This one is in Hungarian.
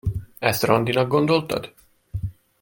Ezt randinak gondoltad?